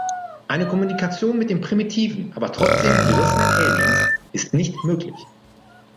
Eine Kommunikation mit den primitiven, aber trotzdem gerissenen Aliens ist nicht möglich.